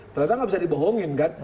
ternyata nggak bisa dibohongin kan